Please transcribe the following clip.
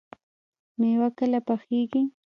مېوه کله پخیږي؟